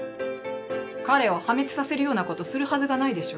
彼を破滅させるようなことするはずがないでしょ。